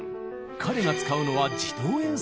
彼が使うのは自動演奏ピアノ。